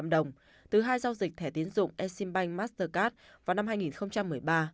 tám năm trăm năm mươi bốn sáu trăm hai mươi năm đồng từ hai giao dịch thẻ tiến dụng e sim banh mastercard vào năm hai nghìn một mươi ba